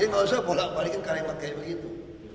jadi gak usah bolak balikin karemat kayak begitu